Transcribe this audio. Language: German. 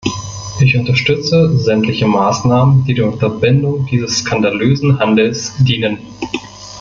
Ich unterstütze sämtliche Maßnahmen, die der Unterbindung dieses skandalösen Handels dienen.